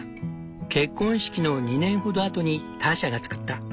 結婚式の２年ほど後にターシャが作った。